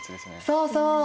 そうそう。